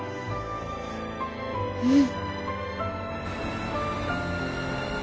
うん。